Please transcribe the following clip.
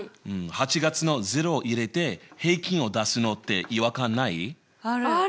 うん８月の０を入れて平均を出すのって違和感ない？